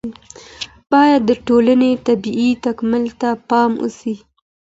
باید د ټولني طبیعي تکامل ته پام وسي.